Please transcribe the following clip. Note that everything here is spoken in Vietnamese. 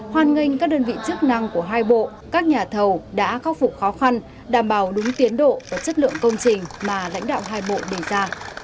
hoàn nghênh các đơn vị chức năng của hai bộ các nhà thầu đã khắc phục khó khăn đảm bảo đúng tiến độ và chất lượng công trình mà lãnh đạo hai bộ đề ra